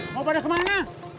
mau pada kemana